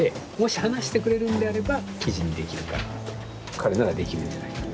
彼ならできるんじゃないか。